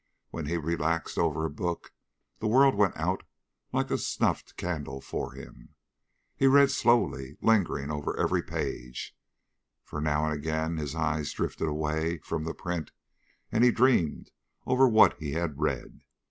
When he relaxed over a book the world went out like a snuffed candle for him. He read slowly, lingering over every page, for now and again his eyes drifted away from the print, and he dreamed over what he had read.